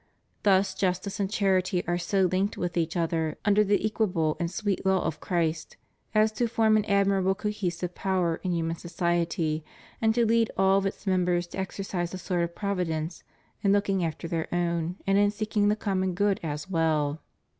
Thus justice and charity are so linked with each other, under the equable and sweet law of Christ, as to form an admirable cohesive power in hmnan society and to lead all of its members to exercise a sort of providence in looking after their own and in seeking the common good as well.